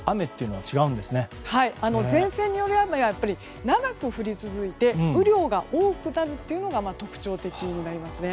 はい、前線による雨は長く降り続いて雨量が多くなるというのが特徴的になりますね。